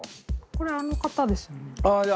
これあの方ですよね。